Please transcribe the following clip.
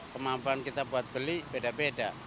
kemampuan kita buat beli beda beda